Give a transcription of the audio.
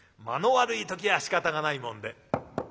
間の悪い時はしかたがないもんで。